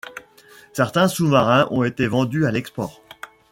Certains sous-marins ont été vendus à l'export.